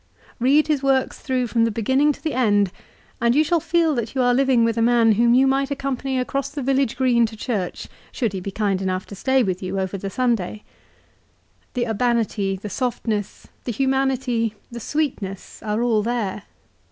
Eead his works through from the beginning to the end, and you shall feel that you are living with a man whom you might accompany across the village green to church, should he be kind enough to stay with you over the Sunday. The urbanity, the softness, the humanity, the sweetness are all there.